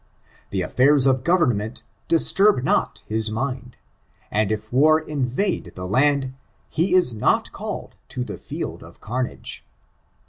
The affairs of government disturb not his mind, and if war invaae iho uind, he is not called to the field of carnage.